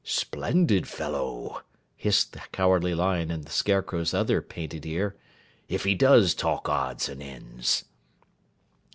"Splendid fellow," hissed the Cowardly Lion in the Scarecrow's other painted ear, "if he does talk odds and ends."